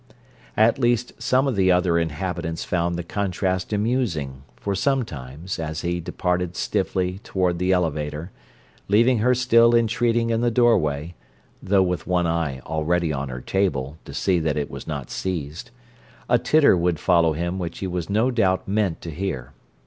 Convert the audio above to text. At least some of the other inhabitants found the contrast amusing, for sometimes, as he departed stiffly toward the elevator, leaving her still entreating in the doorway (though with one eye already on her table, to see that it was not seized) a titter would follow him which he was no doubt meant to hear.